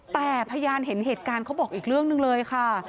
แต่พยานเห็นเหตุการณ์เขาบอกอีกเรื่องหนึ่งเลยค่ะ